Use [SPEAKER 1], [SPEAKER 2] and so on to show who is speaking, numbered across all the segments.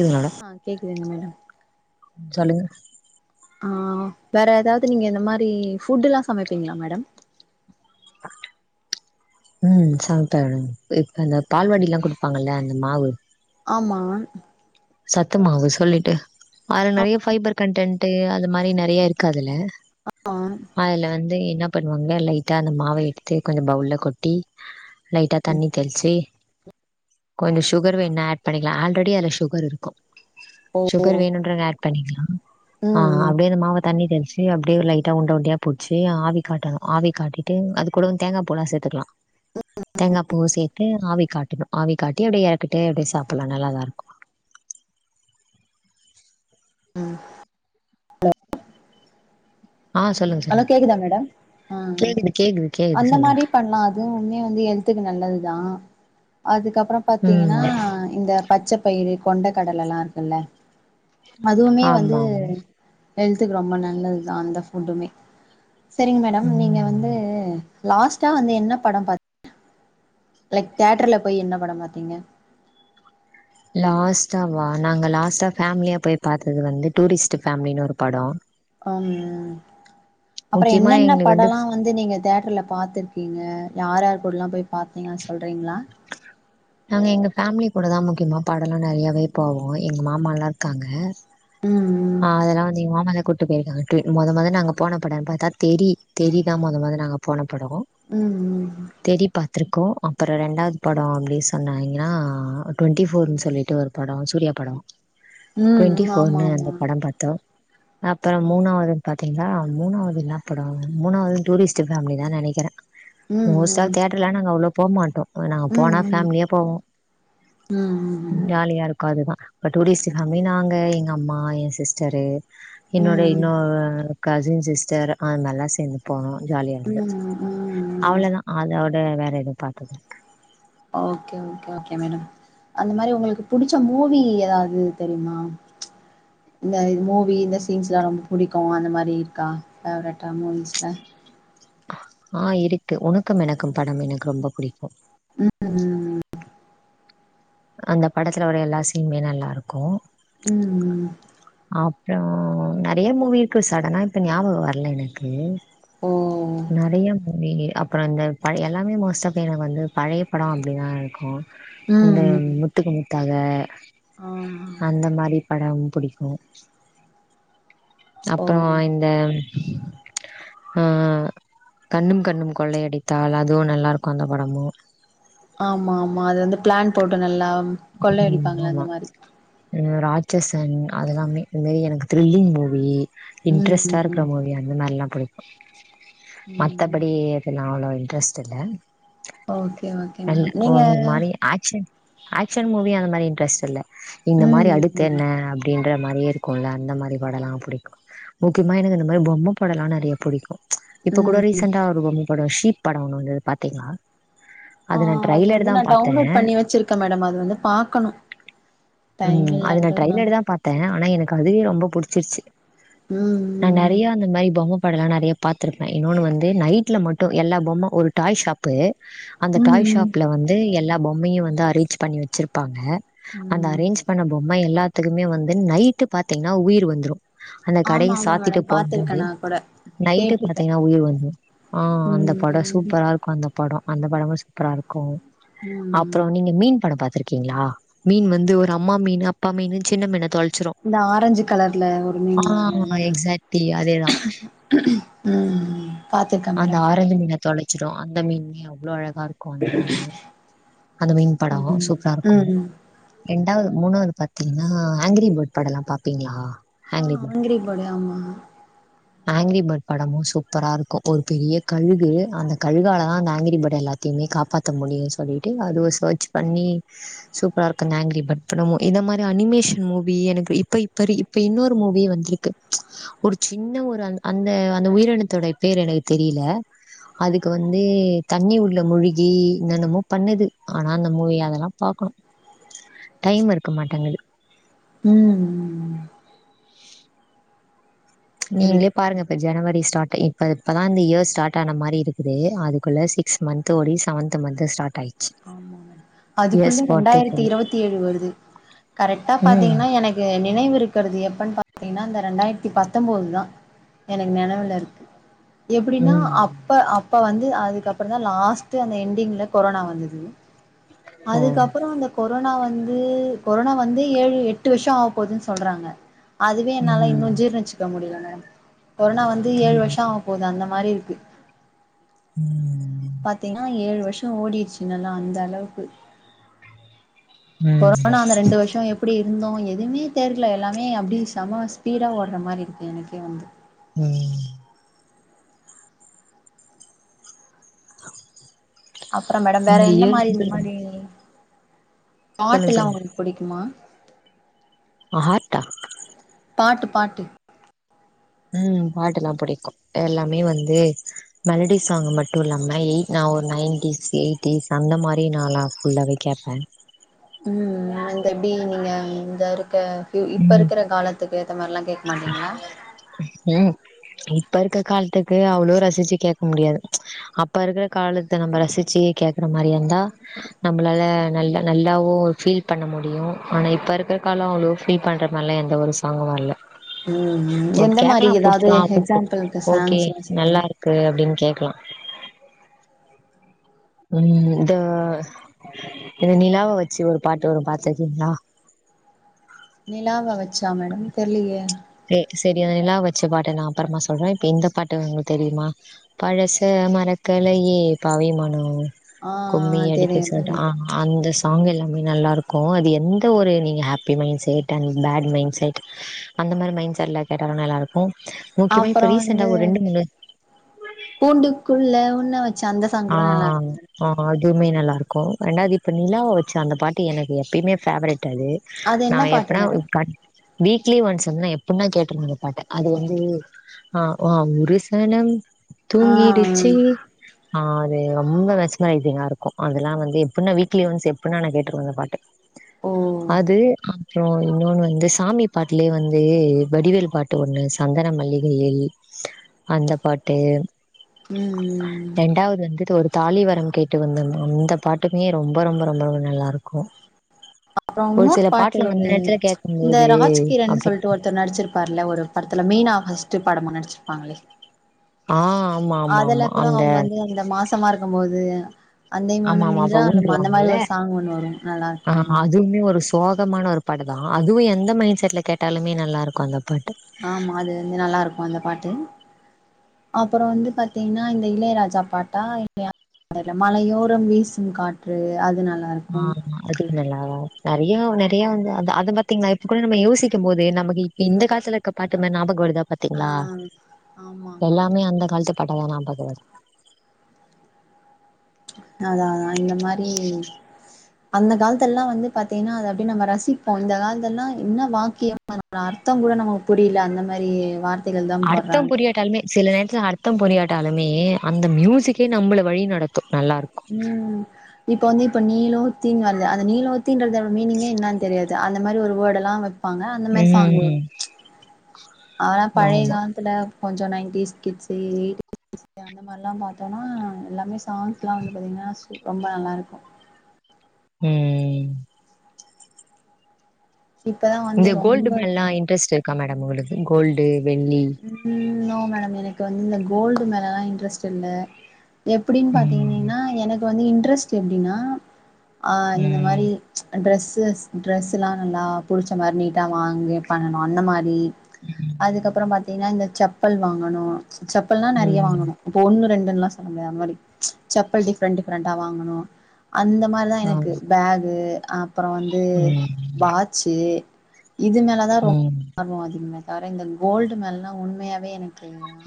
[SPEAKER 1] இதுனால
[SPEAKER 2] அ கேக்குதுங் மேடம்
[SPEAKER 1] சொல்லுங்க
[SPEAKER 2] ஆ வேற ஏதாவது நீங்க இந்த மாரி ஃபுட்டுலா சமைப்பீங்ளா மேடம்
[SPEAKER 1] ம் சமைப்பே இப்ப இந்த பால்வாடிலா குடுப்பாங்கள்ல அந்த மாவு
[SPEAKER 2] ஆம்மா
[SPEAKER 1] சத்து மாவு சொல்லிட்டு அதுல நெறைய ஃபைபர் கன்டென்ட்டு அது மாரி நெறைய இருக்காதுல
[SPEAKER 2] ஆ
[SPEAKER 1] அதுல வந்து என்ன பண்ணுவாங்க லைட்டா அந்த மாவ எடுத்து கொஞ்ச பவுல்ல கொட்டி லைட்டா தண்ணி தெளிச்சு கொஞ்சோ சுகர் வேண்ணா ஆட் பண்ணிக்கலா ஆல்ரெடி அதுல சு கர் இருக்கு
[SPEAKER 2] ஓ
[SPEAKER 1] சுகர் வேணுன்றவங்க பண்ணிக்லா அ
[SPEAKER 2] ம் ம்
[SPEAKER 1] அப்டியே அந்த மாவ தண்ணி தெளிச் சு அப்டியே லைட்டா உண்ட உண்டயா புட்ச்சு ஆவி காட்டணு ஆவி காட்டிட்டு அது கூட வந்து தேங்காபூலா சேத்துக்கலா தேங்கா பூவ சேத்து ஆவி காட்டணு ஆவி காட்டி அப்டியே எக்கிட்டு அப்டியே சாப்ல்லா நல்லாதா இருக்கு
[SPEAKER 2] ம் [inaudible]
[SPEAKER 1] ஆ சொல்லுங்க
[SPEAKER 2] ஹலோ
[SPEAKER 1] சொல்லுங்க
[SPEAKER 2] கேக்குதா மேடம் அ அ
[SPEAKER 1] கேக்குது கேக்குது கேக்குது
[SPEAKER 2] அந்த
[SPEAKER 1] சொல்லுங்க
[SPEAKER 2] மாரி பண்லா அதுவுமே வந்து ஹெல்த்துக்கு நல்லது தா அதுக்கப்பற பாத்தீங்கன்னா
[SPEAKER 1] ம்
[SPEAKER 2] இந்த பச்சைப்பயிறு கொண்ட கடலலா இருக்குல்ல அதுவுமே
[SPEAKER 1] ஆமா
[SPEAKER 2] வந்து
[SPEAKER 1] ஆமா
[SPEAKER 2] ஹெல்த்துக்கு ரொம்ப நல்லது தா அந்த ஃபுட்டுமே சரிங்க மேடம் நீங்க வந்து
[SPEAKER 1] ம்
[SPEAKER 2] லாஸ்ட்டா வந்து என்ன படம் பா லைக் தேட்ர்ல போய் என்ன படம் பாத்தீங்க
[SPEAKER 1] லாஸ்ட்டவா நாங்க லாஸ்ட்டா ஃபேமிலியா போய் பாத்தது வந்து டூரிஸ்ட் ஃபேமிலினினு ஒரு படோ
[SPEAKER 2] ம் அப்றோ
[SPEAKER 1] முக்கியமா
[SPEAKER 2] என்னென்ன
[SPEAKER 1] எங்களுக்கு
[SPEAKER 2] படலா வந்து நீங்க தேட்ர்ல பாத்துருக்கீங்க யார் யார் கூடல்லா போய் பாத்தீங்க அத சொல்றீங்ளா
[SPEAKER 1] நாங்க எங்க ஃபேமிலி கூட தா முக்கியமா படலா நெறையாவே போவோ எங்க மாமால்லா இருக்காங்க
[SPEAKER 2] ம்
[SPEAKER 1] ஆ அதல்லா வந்து எங் மாமா தா கூ ட்டு போயிருக்காங்க மொத மொத நாங்க போனப்படம் பாத்தா தெறி தெறிதா மொத மொத நாங்க போனப்படோ
[SPEAKER 2] ம் ம்
[SPEAKER 1] தெறி பாத்ருக்கோ அப்பற ரெண்டாவது படோ அப்டி சொன்னாங்னா டுவெண்டி
[SPEAKER 2] ம் ம்
[SPEAKER 1] ஃபோர்ன் சொல்லிட்டு ஒரு படோ சூர்யா படோ
[SPEAKER 2] ம்
[SPEAKER 1] டுவெண்டி
[SPEAKER 2] ம்
[SPEAKER 1] ஃ
[SPEAKER 2] ஆமா
[SPEAKER 1] போர்னு அந்த
[SPEAKER 2] ஆமா
[SPEAKER 1] படம் பா த்தோ அப்புற
[SPEAKER 2] ம்
[SPEAKER 1] மூணாவது பாத்தீங்கன்னா மூணாவுது என்னாப்படோ மூணாவ்து டூரிஸ்ட் டு ஃபேமிலி தா நெனைக்கிறே
[SPEAKER 2] ம்
[SPEAKER 1] மோஸ்ட்டா
[SPEAKER 2] ம்
[SPEAKER 1] தேட்டர்லா நாங்க அவ்ளோ போ மாட்டோ ஏனா
[SPEAKER 2] ம்
[SPEAKER 1] போனா
[SPEAKER 2] ம்
[SPEAKER 1] ஃபேமிலியா போவோ
[SPEAKER 2] ம் ம்
[SPEAKER 1] ஜாலியா இரு க்கு அதுதா இப்ப டூரிஸ்ட்டு ஃபேமிலி நாங்க எங்கம்மா எ சிஸ்டரு என்னோட
[SPEAKER 2] ம்
[SPEAKER 1] இன்னொரு கசின் சிஸ்டர் அவுகல்லா சேந்து போவோ ஜாலியா
[SPEAKER 2] ம்
[SPEAKER 1] இருந்தது
[SPEAKER 2] ம் ம்
[SPEAKER 1] அவ்ளதா அதோட வேற எது பாத்ததில்ல
[SPEAKER 2] ஓகே ஓகே ஓகே மேடம் அந்த மாரி உங்களுக்கு புடிச்ச மூவி எதாவ்து தெரியுமா இந்த மூவி இந்த சீன்ஸ்லா ரொம்ப புடிக்கு அந்த மாரி இருக்கா ஃபேவரட்டா மூவிஸ்ல
[SPEAKER 1] ஆ இருக்கு உனக்கும் எனக்கும் படம் எனக்கு ரொம்ப புடிக்கு
[SPEAKER 2] ம் ம்
[SPEAKER 1] அந்த படத்துல வர எல்லா சீன்மே நல்லார்க்கு
[SPEAKER 2] ம் ம்
[SPEAKER 1] அப்றோ நெறைய மூவி இருக்கு சடனா இப்ப ஞாபகோ வர்ல எனக்கு
[SPEAKER 2] ஓ
[SPEAKER 1] நெறையா மூவி அப்றோ இந்த பழைய எல்லாமே மோஸ்ட் ஆஃப் எனக்கு வந்து பழைய படோ அப்டி தா இருக்கு
[SPEAKER 2] ம்
[SPEAKER 1] இந்த
[SPEAKER 2] ம்
[SPEAKER 1] மு த்துக்கு முத்தாக
[SPEAKER 2] ஆ
[SPEAKER 1] அந்த மாரி படம் புடிக்கு
[SPEAKER 2] ஓ
[SPEAKER 1] அப்றோ இந்த ஆ கண்ணும் கண்ணும் கொள்ளையடித்தால் அதுவு நல்லாருக்கு அந்த படமு
[SPEAKER 2] ஆமாமா அது வந்து ப்ளான் போட்டு நல்லா
[SPEAKER 1] ம்
[SPEAKER 2] கொள்ளையடிப்பாங்கல்ல
[SPEAKER 1] ஆமா.
[SPEAKER 2] அந்த மாதிரி
[SPEAKER 1] ம் ராட்சசன் அதெல்லாமே இந் மாரி எனக்கு த்ரில்லிங் மூவி
[SPEAKER 2] ம்
[SPEAKER 1] இன்ட்ரெஸ்ட்டா
[SPEAKER 2] ம்
[SPEAKER 1] இருக்கற மூவி அ ந்த மாரிலா புடிக்கு
[SPEAKER 2] ம்
[SPEAKER 1] மத்தபடி எதுலா அவ்ளோ இன்ட்ரெஸ்ட் இல்ல
[SPEAKER 2] ஓகே ஓகே
[SPEAKER 1] நல்ல
[SPEAKER 2] மேம் நீங்க
[SPEAKER 1] ஒரு மாரி ஆக்ஷன் மூவி அந்த மாரி இன்டரெஸ்ட் இல்ல இந்த மாரி
[SPEAKER 2] ம் ம்
[SPEAKER 1] அடுத்தென்ன அப் டின்ற மாரி இருக்குல்ல அந்த மாதிரி படலா புடிக்கு முக்கியமா எனக்கு அந்த மாரி பொம்ம படல்லா நெறைய புடிக்கு இப்ப கூட
[SPEAKER 2] ம்
[SPEAKER 1] ரீசெண்ட்டா ஒரு பொம்ம படோ ஷீப் படோ ஒன்னு வந்துது பாத்தீங்ளா
[SPEAKER 2] ஆ அது வந்து நா டவுன்லோட் பண்ணி வெச்சிருக்கே மேடம் அது வந்து பாக்கணு டைம்
[SPEAKER 1] ம் அது நா
[SPEAKER 2] இல்லன்றதுனால
[SPEAKER 1] ட்ரைலடு தா பாத் தே ஆனா எனக்கு அதுவே ரொம்ப புடிச்சிர்ச்சு
[SPEAKER 2] ம்
[SPEAKER 1] நா
[SPEAKER 2] ம்
[SPEAKER 1] நெறைய அந்த மாரி பொம்ம படலா நெறைய பாத்திருப்பே இன்னோன்னு வந்து நைட்ல மட்டு எல்லா பொம்ம ஒரு டாய் ஷாப்பு அந்த
[SPEAKER 2] ம்
[SPEAKER 1] டாய்
[SPEAKER 2] ம்
[SPEAKER 1] ஷாப்ல வந்து எல்லா பொம்மையு வந்து அரேஞ்ச் பண்ணி வெச்சிருப்பாங்க அந்த
[SPEAKER 2] ம்
[SPEAKER 1] அரேஞ்ச் பண்ண பொம்ம எல்லாத்துக்குமே வந்து நைட்டு பாத்தீங்ன்னா உயிர் வந்துரு அந்த
[SPEAKER 2] ஆமா
[SPEAKER 1] கடைய
[SPEAKER 2] ஆமா
[SPEAKER 1] சாத்திட்டு
[SPEAKER 2] மேடம் பாத்துருக்கே
[SPEAKER 1] போம்போது
[SPEAKER 2] நா கூட
[SPEAKER 1] நைட்டு
[SPEAKER 2] கேட்ருக்கே
[SPEAKER 1] பாத்தீங்ன்னா உயிர் வந்துரு ஆ அந்த படோ
[SPEAKER 2] ம் ம்
[SPEAKER 1] சூப்பரா இரு க்கு அந்த படோ அந்த படமு சூப்பரா இருக்கு
[SPEAKER 2] ம்
[SPEAKER 1] அப்றோ நீங்க மீன் படோ பாத்துருக்கீங்ளா மீன் வந்து ஒரு அம்மா மீனு அப்பா மீனு சின்ன மீன தொல்ச்சிரு
[SPEAKER 2] இந்த ஆரஞ்சு கலர்ல ஒரு மீன் வருமே அதான
[SPEAKER 1] எக்ஸாக்ட்லி அதேதான்.
[SPEAKER 2] ம் பாத்துர்க்கே மேடம்
[SPEAKER 1] தொலச்சிரு அந்த மீன்மே அவ்ளோ அழகா இருக் கு அந்த மீனு அந்த மீன் படோ
[SPEAKER 2] ம்
[SPEAKER 1] சூப்பரா இருக்கு
[SPEAKER 2] ம்
[SPEAKER 1] ரெண்டாவ்து மூணாவ்து பாத்தீங்ன்னா ஆங்கிரி பேட் படல்லா பாப்பீங்ளா
[SPEAKER 2] ஆ ஆங்கிரி பேடு ஆமா
[SPEAKER 1] ஆங்கிரி பேட் படமு சூப்பரா இருக்கு ஒரு பெரிய கழுகு அந்த கழுகாலதா அந்த ஆங்கிரி பேட் எல்லா த்துமே காப்பாத்த முடியு சொல்லிட்டு அதுவு சர்ஜ் பண்ணி சூப்பரா இரு க்கங்க ஆங்கிரி பட் இப்ப நம்மோ இந்த மாரி அனிமேஷன் மூவி எனக்கு இப்ப இப்ப இப்ப இன்னொரு மூவி வந்துருக்கு ஒரு சின்ன ஒரு அந் அந்த அந்த உயிரினத்தோடைய பேர் எனக்கு தெரியல அதுக்கு வந்து தண்ணி உள்ள முழுகி என்னன்னமோ பண்ணுது ஆனால அந்த மூவிய அதெல்லா பாக்கணு டைம் இருக்க மாட்டேங்குது
[SPEAKER 2] ம்
[SPEAKER 1] நீங்களே
[SPEAKER 2] புரியுது
[SPEAKER 1] பாருங்க
[SPEAKER 2] புரியுதுங்க
[SPEAKER 1] இப்ப ஜனவரி ஸ்டார்ட் இப்ப இப்பதா இந்த இயர் ஸ்டார்ட் ஆன மாரி இருக்குது அதுக்குள்ள சி சிக்ஸ் மந்த் ஓடி செவன்த மந்து ஸ்டார்ட் ஆயிச்சு
[SPEAKER 2] ஆமா அதுக்குள்ள ரெண்டாயிரத்தி இருபத்தி ஏழு வருது கரெக்டா
[SPEAKER 1] ம்
[SPEAKER 2] பாத்தீங்கன்னா எனக் கு நினைவு இருக்குறது எப்பன்னு பாத்தீங்ன்னா இந்த ரெண்டாயிரத்தி பத்தம்போதுதா எனக்கு நெனவுல இருக்கு எப்டின்னா
[SPEAKER 1] ம்
[SPEAKER 2] அப்ப அப்ப வந்து அதுக்கப்புற தா லாஸ்ட் அந்த என்டிங்ல கொரோனா வந்தது
[SPEAKER 1] ஓ
[SPEAKER 2] அதுக்கப்புறோ அந்த கொரோனா வந்து கொரோனா வந்து ஏழு எட்டு வருஷ ஆவப்போதுன்னு சொல்றாங்க அதுவே என்னால
[SPEAKER 1] ம்
[SPEAKER 2] இன்னு ஜீரணிச்சுக்க முடியலங்க கொரோனா வந்து ஏழு
[SPEAKER 1] ம்
[SPEAKER 2] வருஷ ஆக போகுது அந்த மாரி இருக்கு
[SPEAKER 1] ம்
[SPEAKER 2] பாத்தீங்னா ஏழு வருஷ ஓடிருச்சு நல்லா அந்த அளவுக்கு
[SPEAKER 1] ம்
[SPEAKER 2] கொரோனா அந்த ரெண்டு வருஷொ எப் எப்டி இருந்தோ எதுமே தெரில எல்லாமே அப்டி செம ஸ்பீடா ஓடுற மாரி இருக்கு எனக்கே வந்து
[SPEAKER 1] ம்
[SPEAKER 2] அப்ற மேடம் வேற
[SPEAKER 1] இந்த
[SPEAKER 2] எந்த
[SPEAKER 1] இயர்
[SPEAKER 2] மாரி
[SPEAKER 1] வந்து
[SPEAKER 2] இந்த
[SPEAKER 1] ரொம்ப-
[SPEAKER 2] மாரி
[SPEAKER 1] சொல்லுங்க
[SPEAKER 2] பாட்டுலா
[SPEAKER 1] சொல்லுங்க
[SPEAKER 2] உங்களு புடிக்குமா
[SPEAKER 1] ஆஹா
[SPEAKER 2] பாட்டு பாட்டு
[SPEAKER 1] ம் பாட்டுலா புடிக்கு எல்லாமே வந்து மெலடி சாங் மட்டு இல்லாம எயிட் நா ஒரு நையன்டிஸ் எயிட்டிஸ் அந்த மாரி நா லா ஃபுல்லாவே கேப்பே
[SPEAKER 2] ம் இந்த இப்டி நீங்க இந்த இருக்க இப்ப
[SPEAKER 1] ம்
[SPEAKER 2] இருக்குற காலத்துக்கு ஏத்த மாரிலா கேக்க மாட்டீங்களா
[SPEAKER 1] ம் இப்ப இருக்க காலத்துக்கு அவ்ளோ ரசிச்சு கேக்க முடியாது அப்ப இருக்குற காலத்த நம்ம ரசிச்சு கேக்குற மாரி வந்தா நம்ளால நல்ல நல்லாவு ஃபீல் பண்ண முடியு ஆனா இப்ப இருக்குற காலோ அவ்ளோ ஃபீல் பண்ற மாரிலா எந்த ஒரு சாங்கு வர்ல
[SPEAKER 2] ம் ம் எந்த மாரி
[SPEAKER 1] கேக்குலா
[SPEAKER 2] ஏதாவது
[SPEAKER 1] புடிச்சலா
[SPEAKER 2] எக்ஸாம்பிளுக்கு
[SPEAKER 1] [inaudible] ஓகே
[SPEAKER 2] சாங்ஸ்லா சொல்லுங்க
[SPEAKER 1] நல்லா இரு க்கு அப்டின்னு கேக்கலா ம் இந்த இந்த நிலாவ வெச்சு ஒரு பாட்டு வரு பாத்துருக்கீங்களா
[SPEAKER 2] நிலாவ வெச்சா மேடம் தெர்லயே
[SPEAKER 1] செ சரி அ நிலா வெச்ச பாட்ட நா அப்றமா சொல்றே இப்ப இந்த பாட்டு உங்களுக்கு தெரியுமா பழச மறக்கலயே பவிமனோ
[SPEAKER 2] ஆ
[SPEAKER 1] கும்மி அடிக்கு
[SPEAKER 2] தெரியு
[SPEAKER 1] சொல்ட்டு
[SPEAKER 2] தெரியு
[SPEAKER 1] ஆ அந்த சாங் எல்லாமே நல்லா இருக்கு அது எந்த ஒரு நீங்க happy mind set and bad mind set அந்த மாரி மைண்ட் செட்ல கேட்டாலு நல்லா இருக்கு முக்கியமா இப்போ
[SPEAKER 2] அப்புறோ
[SPEAKER 1] ரீசெண்டா ஒரு ரெண்டு மூணு
[SPEAKER 2] பூண்டுக்குள்ள உன்ன வ
[SPEAKER 1] ஆ அந் ஆ அதுவுமே நல்லா இருக்கு ரெண்டாவது இப்ப நிலாவ வெச்சு அந்த பாட்டு எனக்கு எப்பயுமே ஃபேவரெட் அது
[SPEAKER 2] அது
[SPEAKER 1] நா
[SPEAKER 2] என்ன பாட்டு
[SPEAKER 1] எப்பனா
[SPEAKER 2] மேடம்
[SPEAKER 1] கன் வீக்லி ஒன்ஸ் வந்து நா எப்புன்னா கேட்டுருந்திங்க பாட்ட அது வந்து ஆ ஓவம் ஊரு சனம்
[SPEAKER 2] ஆ
[SPEAKER 1] தூங்கிடுச்சி ஆ அது ரொம்ப [unintelligible] இருக்கு அதுலா வந்து எப்டினா வீக்லி ஒன்ஸ் எப்டினா நா கேட்றுவ அந்த பாட்ட
[SPEAKER 2] ஓ
[SPEAKER 1] அது அப்ரோ இன்னொன்னு வந்து சாமி பாட்டுலயே வந்து வடிவேல் பாட்டு ஒன்னு சந்தனம் மல்லிகையில் அந்த பாட்டு
[SPEAKER 2] உம்
[SPEAKER 1] ரெண்டாவது வந்து ஒரு தாலி வரம் கேட்டு வந்தோமாம் இந்த பாட்டுமே ரொம்ப ரொம்ப ரொம்ப ரொம்ப நல்லா இருக்கு
[SPEAKER 2] அப்புறோ
[SPEAKER 1] ஒரு
[SPEAKER 2] இன்னொரு
[SPEAKER 1] சில
[SPEAKER 2] பாட்டு
[SPEAKER 1] பாட்டுலா அந்த
[SPEAKER 2] ஒரு
[SPEAKER 1] எடத்தில
[SPEAKER 2] இந்த
[SPEAKER 1] கேக்கம்போது
[SPEAKER 2] ராஜ்கிரண்னு சொல்ட்டு
[SPEAKER 1] அப்டிங்கலா
[SPEAKER 2] ஒருத்தர் நடிச்சிருப்பாருல ஒரு படத்துல மீனா ஃபஸ்ட் படமா நடிச்சிருப்பாங்களே
[SPEAKER 1] ஆ ஆமா ஆமா
[SPEAKER 2] அதுல
[SPEAKER 1] ஆமா
[SPEAKER 2] கூட
[SPEAKER 1] அந்த
[SPEAKER 2] அவங்க வந்து அந்த மாசமா இருக்கும்போது அந்தே
[SPEAKER 1] ஆமா
[SPEAKER 2] மண
[SPEAKER 1] ஆமா
[SPEAKER 2] என்றா
[SPEAKER 1] அப்ப
[SPEAKER 2] அந்த மாதிரி
[SPEAKER 1] ஊன்றுவாங்கல்ல
[SPEAKER 2] ஒரு சாங் ஒன்னு வரு நல்லா இருக்கு அதும்
[SPEAKER 1] தும்மே ஒருஷ் சோகமான ஒரு பாட்டு தா அதுவு எந்த மைண்ட் செட்ல கேட்டாலுமே நல்லா இருக்கு அந்த பாட்டு
[SPEAKER 2] ஆமா அது வந்து நல்லா இருக்கு அந்த பாட்டு அப்புறம் வந்து பாத்தீங்கன்னா இந்த இளையராஜா பாட்டா இல்லயா அதுல மழையோரம் வீசும் காற்று அது நல்லா இருக்கும்
[SPEAKER 1] ஆமா அது நல்லாவா நறையா நறையா வந்து அது அத பாத்தீங்னா இப்ப கூட நம்ம யோசிக்கும் போது நமக்கு இப்பி இந்த காலத்துல இருக்க பாட்டும ஞாபக வருதுதா பாத்
[SPEAKER 2] அம் ஆமா ஆமா ஆமக்
[SPEAKER 1] பட்டாதா நா பக்குறேன்
[SPEAKER 2] அதா அதா இந்த மாரி அந்த காலத்தெல்லா வந்து பாத்தீங்னா அது அப்டி நம்ம ரசிப்போ இந்த காலத்தெல்லா என்ன வாக்கியம் அதோட அர்த்தம் கூட நமக்கு புரில அந்த மாரி வார்
[SPEAKER 1] அர்த்தம் புரியாட்டாலுமே சில நேரத்துல அர்த்த புரியாட்டாலுமே அந்த மியூசிக்கே நம்மள வழி நடத்து நல்லா இருக்கு
[SPEAKER 2] உம் இப்ப வந்து இப்ப நீலோத்தின் வருது அந்த நீலோத் தின் [unintelligible] மீனிங்கே என்னன் தெரியாது அந்த மாரி ஒரு வேர்டுல்லா வைப்பாங்க அந்த மாதிரி சாங் வரு
[SPEAKER 1] ம்
[SPEAKER 2] ஆனா பழைய
[SPEAKER 1] ஆமா
[SPEAKER 2] காலத்ல கொஞ்சோ நைன்டிஸ் கிட்ஸ்சி எயிட் [unintelligible] அந்த மாதிரிலா பாத்தோம்னா எல்லாமே சாங்ஸ் எல்லா வந்து பாத்தீங்னா சு ரொம்ப நல்லாருக்கு
[SPEAKER 1] ம்
[SPEAKER 2] இப்பதா
[SPEAKER 1] இந்த
[SPEAKER 2] வந்து
[SPEAKER 1] கோல்டு
[SPEAKER 2] ரொம்ப
[SPEAKER 1] மேலல்லா இன்ட்ரெஸ்ட் இருக்கா மேடம் உங்களுக்கு கோல்டு வெள்ளி
[SPEAKER 2] ம்ம்ம் நோ மேடம் எனக்கு வந்து இந்த கோல்டு மேலல்லா இன்ட்ரெஸ்ட் இல்ல எப்டின்னு
[SPEAKER 1] ம்
[SPEAKER 2] பாத்தீங்கன்னா எனக்கு வந்து இன்ட்ரெஸ்ட் எப்டினா ஆ இந்த
[SPEAKER 1] ம்
[SPEAKER 2] மாதிரி ட்ரெஸ்ஸஸ் ட்ரெஸ் எல்லா நல்லா புடிச்ச மாரி நீட்டா வாங்கி பண்ணணு அந்த மாதி
[SPEAKER 1] ம்
[SPEAKER 2] அதுக்கப்புறம் பாத் திங்னா இந்த செப்பல் வாங்கணு செப்பல்லா நறைய
[SPEAKER 1] ம்
[SPEAKER 2] வாங்கணு இப்ப ஒன்னு ரெண்டு எல்லா செல்ல முடியாது அந்த மாரி செப்பல் டிஃப்ரெண்ட் டிஃப்ரெண்டா வாங்கணு அந்த மாதிரிதா எனக்கு
[SPEAKER 1] ஆமா
[SPEAKER 2] பேகு ஆப் அப்புற வந்து
[SPEAKER 1] ம்
[SPEAKER 2] வாட்ச் இது மேலே தா ரொம்ப
[SPEAKER 1] ம்
[SPEAKER 2] ஆர்வம் அதிக இருக் தார இந்த கோல்டு மேலல்லா உண்மையாவே எனக்கு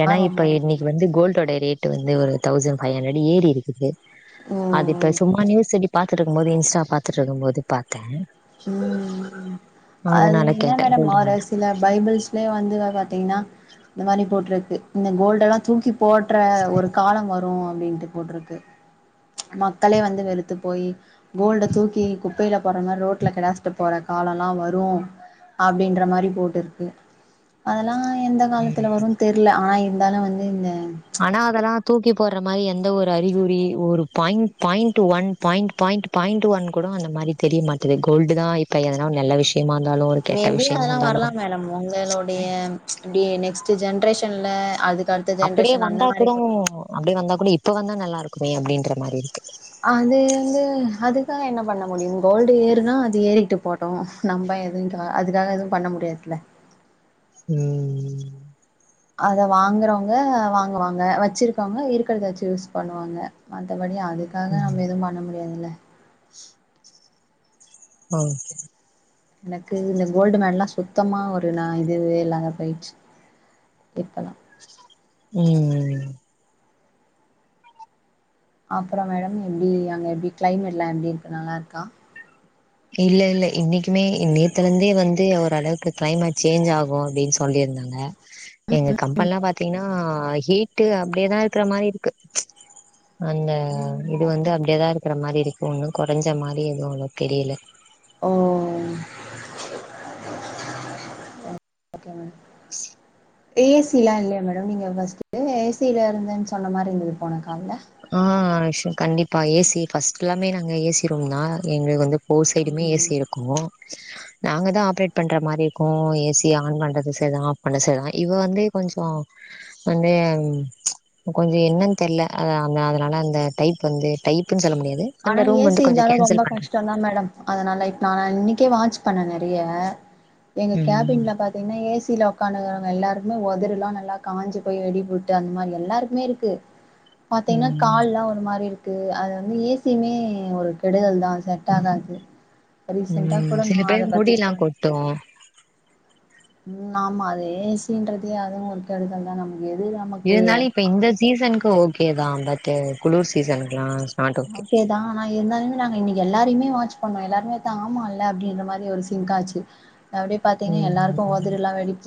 [SPEAKER 1] ஏனா இப்ப
[SPEAKER 2] ஆர்வம்லா இல்ல.
[SPEAKER 1] இன்னைக்கு வந்து கோல்டோட ரேட் டு வந்து ஒரு தௌசன் பைவ்கன்ரடு ஏரி இருக்கு
[SPEAKER 2] ஓ!
[SPEAKER 1] அது இப்ப சும்மா நியூ செடிப் பாத்துட்ருக்கும் போது இன்ஸ்டா பாத்துட்டு இருக்கும் போது பாத்த
[SPEAKER 2] ம் ம் அது என்ன
[SPEAKER 1] கேட்டே
[SPEAKER 2] மேடம்
[SPEAKER 1] கோல்டு
[SPEAKER 2] ஆற
[SPEAKER 1] மேல
[SPEAKER 2] சில பைபிள்ஸ் லே வந்தத பாத்திங்கன்னா இந்த மாரி போட்ருக்கு இந்த கோல்டெல்லா தூக்கி போட்ற ஒரு காலம் வரு அப்டின்ட்டு போட்ருக்கு மக்களே வந்து வெறுத்து போய் கோல்ட தூக்கி குப்பையில போடறா மாரி ரோட் ல கெடாஸ்ட்டு போற காலல்லா வரு அப்படின்ற மாரி போட்டிருக்கு அதல்லா எந்த காலத்துல
[SPEAKER 1] ம்.
[SPEAKER 2] வருன் தெர்ல அனா இருந்தாலு வந்து இந்த
[SPEAKER 1] அனா அதல்லா தூக்கி போடுற மாரி எந்த ஒரு அறிகுறி ஒரு point point one point point point one கூட அந்த மாரி தெரிய மாட்டிது கோல்டு தா இப்ப எதனா நல்ல விஷயமா இருந்தாலு ஒரு கெட்ட
[SPEAKER 2] மேபி
[SPEAKER 1] விஷயமா
[SPEAKER 2] அதலா
[SPEAKER 1] இருந்தாலு
[SPEAKER 2] வரலா மேடம் உங்களுடைய இப்டி நெக்ஸ்ட் ஜென்ரேஷன்ல அது அடுத்த ஜென்ரேஷன் அந்த மாரி கூட
[SPEAKER 1] அப்டே வந்தா கூட இப்ப வந்தா நல்லா இருக்குமே அப்படின்ற மாரி இருக்கு
[SPEAKER 2] அது வந்து அதுக்காக என்ன பண்ண முடியு கோல்டு ஏறுனா அது ஏறிட்டு போட் டோ நம்ப எதுவு கா அதுக்காக எதுவு பண்ண முடியாதுல்ல
[SPEAKER 1] ம் ம்
[SPEAKER 2] அத வாங்கறவங்க வாங்குவாங்க வச்சிருக்கவங்க இருக்கறத வச்சு யூஸ் பண்ணுவாங்க மத்தபடி அதுக்காக
[SPEAKER 1] ம்
[SPEAKER 2] நம்ம எதுவு பண்ண முடியாதுல
[SPEAKER 1] ஹ
[SPEAKER 2] எனக்கு இந்த கோல்டு மெலலா சுத்தமா ஒரு நா இதுவே இல்லாம போயிருச்சு இப்பலா
[SPEAKER 1] ம்
[SPEAKER 2] அப்பறோ மேடம் எப்டி அங்க எப்டி கிளைமேட்லா எப்டி இருக்கு நல்லா இருக்கா
[SPEAKER 1] இல்ல இல்ல இன்னைக்குமே நேத்துல இருந்தே வந்து ஓரளவுக்கு கிளைமேட் சேஞ்ச் ஆகு அப்டின் சொ சொல்லியிருந்தாங்க எங்க கம்பனிலா பாத்தீங்கன்னா ஹீட்டு அப்டே தா இருக்கற மாரி இருக்கு அந்த இது
[SPEAKER 2] ம்
[SPEAKER 1] வந்து அப்டே தா இருக்கற மாரி இருக்கு ஒன்னு கொறஞ்ச மாரி எதுவு ஒண்ணு தெரியல
[SPEAKER 2] ஓ ஓக்கேங்க ஏ சிலா இல்லையா மேடம் நீங்க ஃபர்ஸ்ட்டு ஏ சில இருந்தன்னு சொன்ன மாரி இருந்துது போன கால்ல
[SPEAKER 1] ஆ [unintelligible] கண்டிப்பா ஏ சி ஃபர்ஸ்ட் எல்லாமே நாங்க ஏ சி ரூம் தா எங்களுக்கு வந்து போர் சைடுமே ஏ சி
[SPEAKER 2] ம்
[SPEAKER 1] இருக்கு நாங்கதா ஆப்ரேட் பண்ற மாரி இருக்கு ஏ சிய ஆன் பண்றது செர்தா ஆஃப் பண்ற செர்தா இவ வந்து கொஞ்சோ வந்து ம் கொஞ்சோ என்னன்னு தெர்ல அதா அந்த அதுலளா அந்த டைப் வந்து டைப்ன்னு சொல்ல முடியாது
[SPEAKER 2] ஆனா
[SPEAKER 1] அந்த
[SPEAKER 2] ஏ
[SPEAKER 1] ரூம்
[SPEAKER 2] சி
[SPEAKER 1] வந்து கொஞ்சோ
[SPEAKER 2] இருந்தாலு ரொம்ப
[SPEAKER 1] கேன்சல் பண்ற
[SPEAKER 2] கஷ்டந்தா மேடம் அதனால இப் நாங்க இன்னிக்கே வாட்ச பண்ண நறைய எங்க
[SPEAKER 1] ம்
[SPEAKER 2] கேபின்ல பாத் எப்பைமே ஏ சில ஒக்காந்துருகவங்க எல்லாருக்குமே ஒதடுலா நல்லா காஞ்சு போய் வெடிபுட்டு அந்த மாரி எல்லாருக்குமே இருக்கு பாத்தைன்னா
[SPEAKER 1] ம்
[SPEAKER 2] கால்லா ஒரு மாரி இருக்கு அது வந்து ஏ சிமே ஒரு கெடுதல் தா செட் ஆகாது ரீசண்டா
[SPEAKER 1] ம்
[SPEAKER 2] கூட
[SPEAKER 1] சில
[SPEAKER 2] நா அத
[SPEAKER 1] பேருக்கு
[SPEAKER 2] பத்தி
[SPEAKER 1] முடிலா
[SPEAKER 2] ப
[SPEAKER 1] கொட்டு
[SPEAKER 2] ம் ஆமா அது ஏ சின்றதயே அதுவு ஒரு கெடுதல் தா நமக் [unintelligible]
[SPEAKER 1] இருந்தாலு இப்ப இந்த சீசன்க்கு ஓகேதா பட்டு குளுர் சீசனுக்குலா
[SPEAKER 2] ஓகே தா ஆ இருந்தாலுமே நாங்க இன்னிக்கு எல்லாரையுமே வாட்ச் பண்ணோ எல்லாருமே தா ஆமாயில்ல அப்டின்ற மாரி ஒரு சின்க்காச்சு அப்டியே பாத்தீங்கன்ன எல்லாருக்கு
[SPEAKER 1] ம்
[SPEAKER 2] ஒதடெல்லா வெடிப்